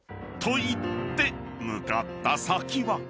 ［と言って向かった先は］